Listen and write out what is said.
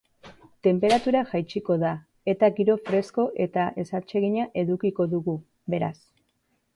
Tenperatura jaitsiko da eta giro fresko eta ezatsegina edukiko dugu, beraz.